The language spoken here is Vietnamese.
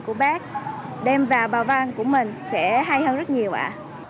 của bác đem vào bào vang của mình sẽ hay hơn rất nhiều ạ